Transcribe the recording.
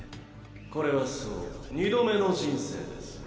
これはそう二度目の人生です。